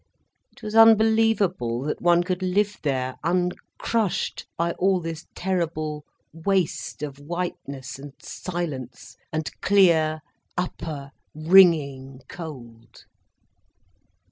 It was unbelievable that one could live there uncrushed by all this terrible waste of whiteness and silence and clear, upper, ringing cold.